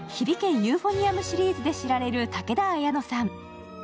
ユーフォニアム」シリーズで知られる武田綾乃さん。